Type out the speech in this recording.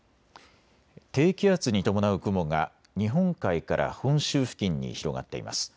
低気圧に伴う雲が日本海から本州付近に広がっています。